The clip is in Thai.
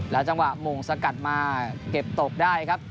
จังหวะมงสกัดมาเก็บตกได้ครับ